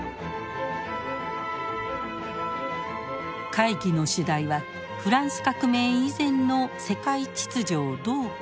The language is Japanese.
会議の主題はフランス革命以前の世界秩序をどう回復するか。